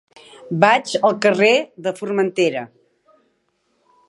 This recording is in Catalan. Vaig al carrer de Formentera.